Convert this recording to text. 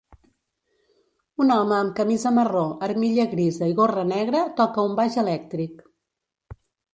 Un home amb camisa marró, armilla grisa i gorra negra toca un baix elèctric.